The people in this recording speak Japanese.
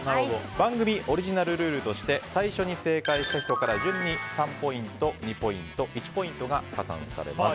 番組オリジナルルールとして最初に正解した人から順に３ポイント２ポイント、１ポイントが加算されます。